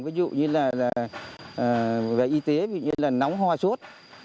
ví dụ như là về y tế ví dụ như là nóng hoa sốt